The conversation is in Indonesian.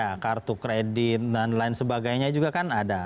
ya kartu kredit dan lain sebagainya juga kan ada